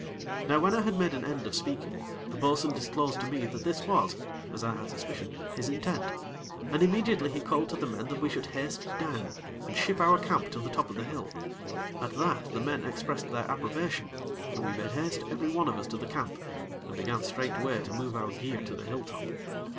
Now when I had made an end of speaking, the bo'sun disclosed to me that this was, as I had suspicion, his intent, and immediately he called to the men that we should haste down, and ship our camp to the top of the hill. At that, the men expressed their approbation, and we made haste every one of us to the camp, and began straightway to move our gear to the hilltop.